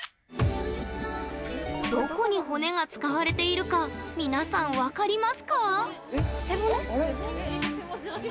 どこに骨が使われているか皆さん分かりますか？